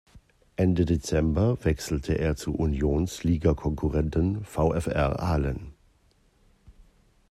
Ende Dezember wechselte er zu Unions Ligakonkurrenten VfR Aalen.